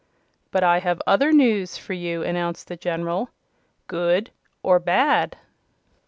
"But I have other news for you," announced the General. "Good or bad?"